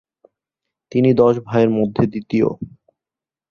তিনি দশ ভাইয়ের মধ্যে দ্বিতীয়।